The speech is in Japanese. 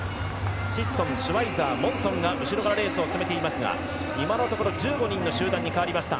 シッソン、シュワイザーモンソンが後ろからレースを進めていますが今のところ１５人の集団に変わりました。